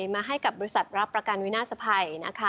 มาให้กับบริษัทรับประกันวินาศภัยนะคะ